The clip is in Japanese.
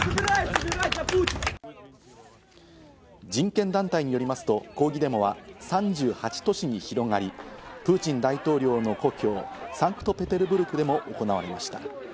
人権団体によりますと抗議デモは３８都市に広がり、プーチン大統領の故郷・サンクトペテルブルクでも行われました。